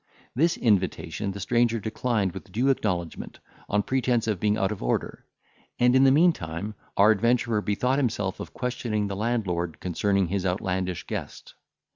This invitation the stranger declined with due acknowledgment, on pretence of being out of order; and, in the meantime, our adventurer bethought himself of questioning the landlord concerning his outlandish guest.